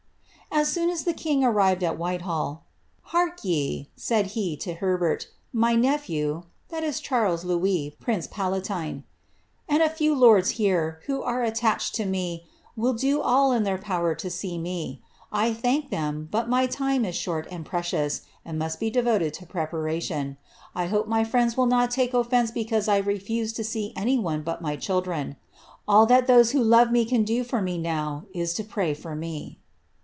^ As soon as the king arrived at Whitehall, ^ Hark ye," said he to Her hert, ^ my nephew, (Charles Louis, prince palatine,) and a few lord here, who are attached to me, will do all in their power to see me. thank them ; but my time is short and precious, and must be deroted U preparation. I hope my friends will not take oflence because I refuse U see any one but my children. All that those who lore me can do fa me now, is to pray for me."